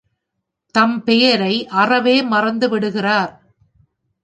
தம் பெயரை அறவே மறந்து விடுகிறார்.